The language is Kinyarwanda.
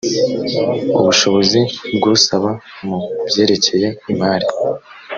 ubushobozi bw usaba mu byerekeye imari